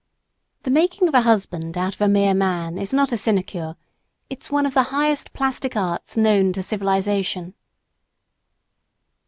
The making of a husband out of a mere man is not a sinecure; it's one of the highest plastic arts known to civilization.